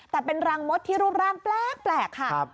แต่เป็นรังมดที่รูปร่างแปลกค่ะ